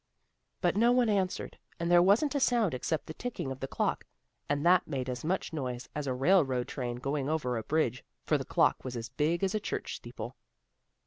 "But no one answered, and there wasn't a sound except the ticking of the clock, and that made as much noise as a railroad train going over a bridge, for the clock was a big as a church steeple.